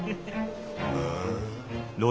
うん？